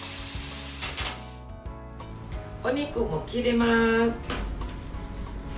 お肉も切ります。